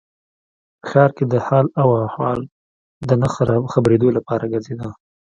په ښار کې د حال و احوال نه د خبرېدو لپاره ګرځېده.